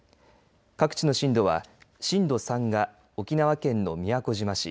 各地の震度は震度３が沖縄県の宮古島市